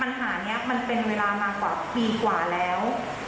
ปัญหานี้มันเป็นเวลามากว่าปีกว่าแล้ว